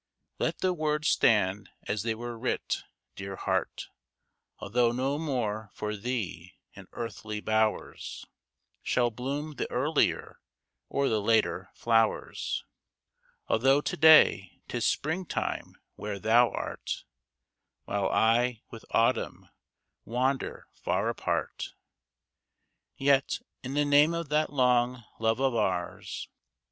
Let the zvords stand as they zvere xvrit, dear heart / Although no more for thee in earthly bowers Shall bloom the earlier or the later Jlozvers ; Althojigh to day ^tis spring time where thou art^ While I, zvitk AtUumn, zuander far apart. Yet, in the nante of that long love of ours.